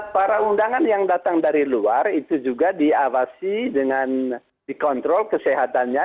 para undangan yang datang dari luar itu juga diawasi dengan dikontrol kesehatannya